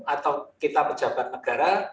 atau kita pejabat negara